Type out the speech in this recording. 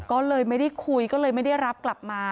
ก็เลยไม่ได้คุยก็เลยไม่ได้รับกลับมา